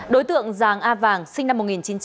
đối tượng giàng a vàng sinh năm một nghìn chín trăm tám mươi